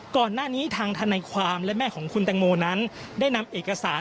ก่อนหน้านี้ทางธนายความและแม่ของคุณแตงโมนั้นได้นำเอกสาร